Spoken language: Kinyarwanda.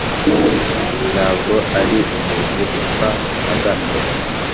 ntabwo ari umuntu upfa na gato .